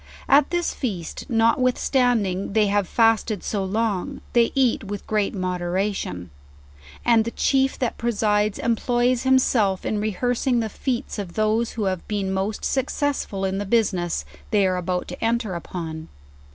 At this feast, notwithstanding they have fasted so long, they eat with great moderation; and the chief that presides employs him 5 66 JOURNAL OF self in rehearsing the feats of those who have been most sue eessful in the business they are about to enter upon.